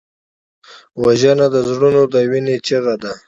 وژنه د زړونو د وینې چیغه ده